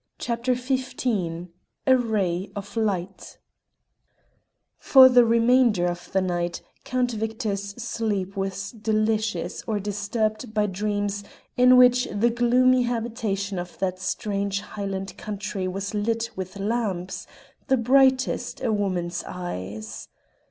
CHAPTER XV A RAY OF LIGHT For the remainder of the night Count Victor's sleep was delicious or disturbed by dreams in which the gloomy habitation of that strange Highland country was lit with lamps the brightest a woman's eyes.